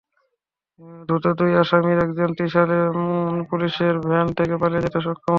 ধৃত দুই আসামির একজন ত্রিশালে পুলিশের ভ্যান থেকে পালিয়ে যেতে সক্ষম হন।